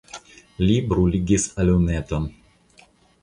Li bruligis alumeton.